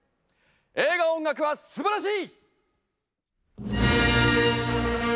「映画音楽はすばらしい！」。